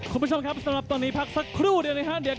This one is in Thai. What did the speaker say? คุณผู้ชมครับสำหรับตอนนี้พักสักครู่เดี๋ยวในห้านเดียว